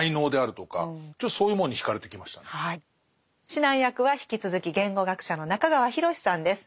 指南役は引き続き言語学者の中川裕さんです。